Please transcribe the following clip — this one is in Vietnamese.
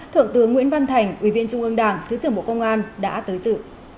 thượng tướng nguyễn văn thành ủy viên trung ương đảng thứ trưởng bộ công an đã tới dự